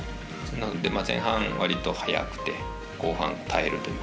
なので前半、割と速くて後半耐えると。